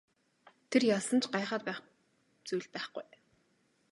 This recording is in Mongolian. Тэр ялсан ч гайхаад байх зүйл байхгүй.